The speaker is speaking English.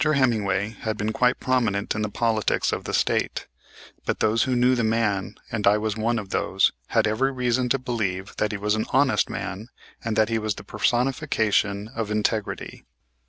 Hemmingway had been quite prominent in the politics of the State; but those who knew the man, and I was one of those, had every reason to believe that he was an honest man, and that he was the personification of integrity.